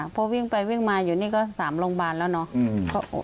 พอวิ่งไปวิ่งมาอยู่นี่ก็๓โรงพยาบาลแล้วเนาะ